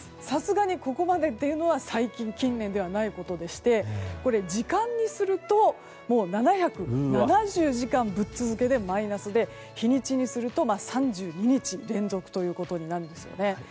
さすがにここまでというのは近年ではないことでして時間にすると７７０時間ぶっ続けでマイナスでして、日にちにすると３２日連続となります。